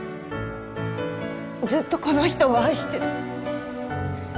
ずっとこの人を愛してる